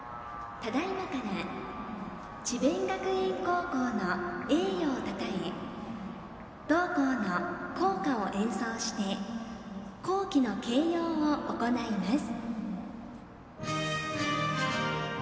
ただ今から智弁学園高校の栄誉をたたえ同校の校歌を演奏して校旗の掲揚を行います。